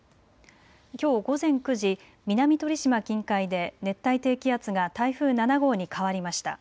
きょう午前９時、南鳥島近海で熱帯低気圧が台風７号に変わりました。